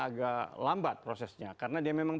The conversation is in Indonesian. agak lambat prosesnya karena dia memang